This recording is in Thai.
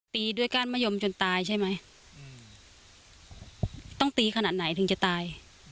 ตีด้วยก้านมะยมจนตายใช่ไหมอืมต้องตีขนาดไหนถึงจะตาย